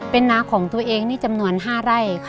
เป็นนาของตัวเองนี่จำนวน๕ไร่ค่ะ